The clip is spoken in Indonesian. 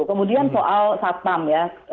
kemudian soal satpam ya